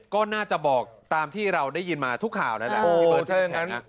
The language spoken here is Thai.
ก็น่าจะบอกตามที่เราได้ยินมาทุกข่าวนั้นแหละ